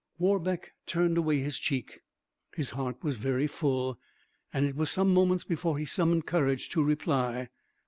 Warbeck turned away his cheek; his heart was very full, and it was some moments before he summoned courage to reply.